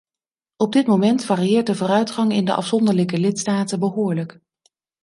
Op dit moment varieert de vooruitgang in de afzonderlijke lidstaten behoorlijk.